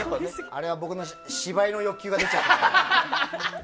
あれは僕の芝居の欲求が出ちゃって。